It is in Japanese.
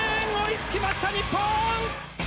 追いつきました日本！